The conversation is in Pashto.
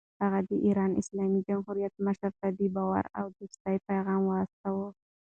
هغه د ایران اسلامي جمهوریت مشر ته د باور او دوستۍ پیغام واستاوه.